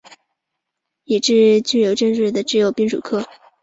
而哺乳类中已知具有真社会性的动物只有滨鼠科。